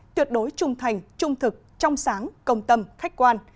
tuyệt đối trung thành trung thực trong sáng công tâm khách quan